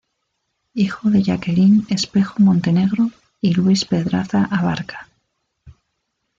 Hijo de Jacqueline Espejo Montenegro y Luis Pedraza Abarca.